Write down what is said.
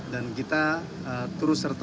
dan kita terus serta